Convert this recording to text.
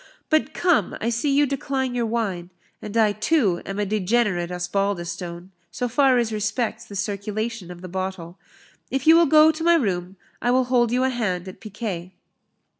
But, come, I see you decline your wine and I too am a degenerate Osbaldistone, so far as respects the circulation of the bottle. If you will go to my room, I will hold you a hand at piquet."